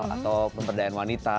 atau pemberdayaan wanita